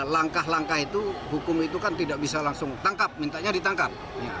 langkah langkah itu hukum itu kan tidak bisa langsung tangkap mintanya ditangkap